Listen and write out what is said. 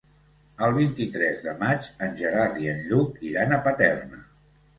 El vint-i-tres de maig en Gerard i en Lluc iran a Paterna.